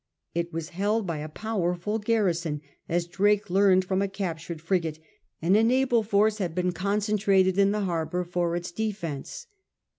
It was held by a powerful garrison, as Drake learned from a captured frigate, and a naval force had been concentrated in the harbour for its defence.